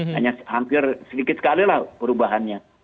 hanya hampir sedikit sekali lah perubahannya